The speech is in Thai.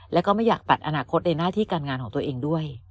แล้วก็ไม่อยากปัดอนาคตในหน้าที่การงานของตัวเองด้วย